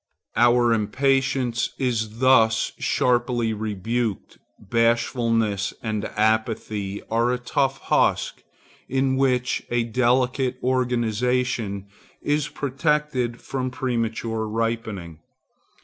Our impatience is thus sharply rebuked. Bashfulness and apathy are a tough husk in which a delicate organization is protected from premature ripening.